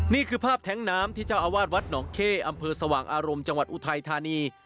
นี่คือภาพแท้งน้ำที่เจ้าอาวาสวัดหนองเข้อำเภอสว่างอารมณ์จังหวัดอุทัยธานี